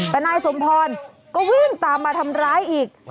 แต่นายสมพรก็วิ่งตามมาทำร้ายอีก